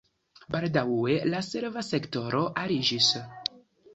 Baldaŭe la serva sektoro aliĝis.